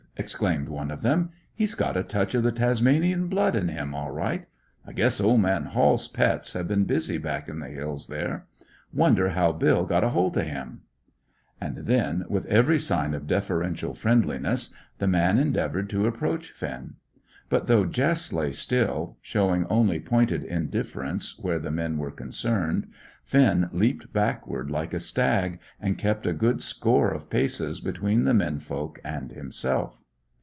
exclaimed one of the men. "He's got a touch of the Tasmanian blood in him, all right. I guess old man Hall's pets have been busy back in the hills there. Wonder how Bill got a holt o' him!" And then, with every sign of deferential friendliness, the man endeavoured to approach Finn. But though Jess lay still, showing only pointed indifference where the men were concerned, Finn leaped backward like a stag, and kept a good score of paces between the men folk and himself.